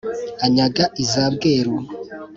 anyaga iza bweru,